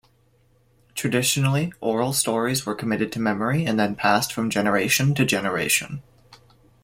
Traditionally, oral stories were committed to memory and then passed from generation to generation.